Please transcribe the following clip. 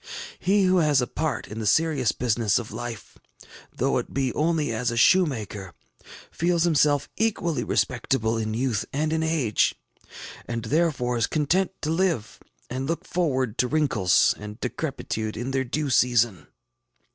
He who has a part in the serious business of life, though it be only as a shoemaker, feels himself equally respectable in youth and in age, and therefore is content to live and look forward to wrinkles and decrepitude in their due season.